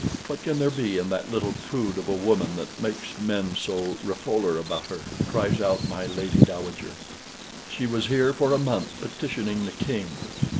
"What can there be in that little prude of a woman that makes men so raffoler about her?" cries out my Lady Dowager. "She was here for a month petitioning the King.